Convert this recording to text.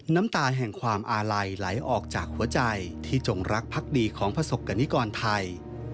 น้ำตาแห่งความอาลัยไหลออกจากหัวใจที่จงรักพักดีของประสบกรณิกรไทย